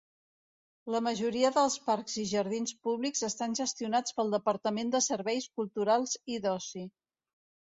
La majoria dels parcs i jardins públics estan gestionats pel departament de serveis culturals i d'oci.